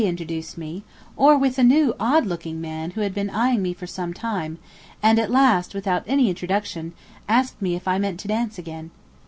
introduced to me, or with a new odd looking man who had been eyeing me for some time, and at last, without any introduction, asked me if I meant to dance again.